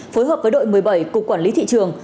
phối hợp với đội một mươi bảy cục quản lý thị trường